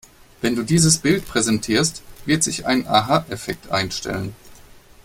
Wenn du dieses Bild präsentierst, wird sich ein Aha-Effekt einstellen.